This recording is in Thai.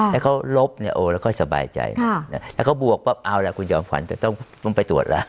ถ้าเขาลบเนี่ยโอ้แล้วก็สบายใจแล้วเขาบวกปั๊บเอาล่ะคุณจอมขวัญจะต้องไปตรวจล่ะ